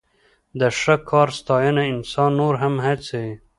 د ښه کار ستاینه انسان نور هم هڅوي.